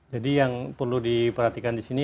jadi yang perlu diperhatikan disini